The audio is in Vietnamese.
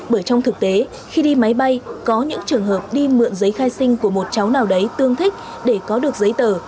bởi trong thực tế khi đi máy bay có những trường hợp đi mượn giấy khai sinh của một cháu nào đấy tương thích để có được giấy tờ